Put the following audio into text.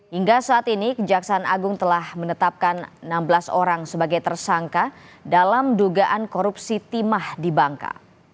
hingga saat ini kejaksaan agung telah menetapkan enam belas orang sebagai tersangka dalam dugaan korupsi timah di bangka